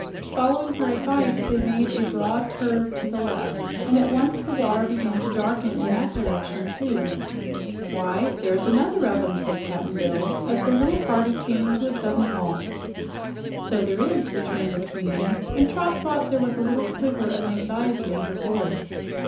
Following her advice, they made a broad curve to the left, and at once the water began to darken in that direction. "Why, there's another of 'em," said Cap'n Bill as the little party came to a sudden halt. "So there is," returned the Queen, and Trot thought there was a little quiver of anxiety in her voice.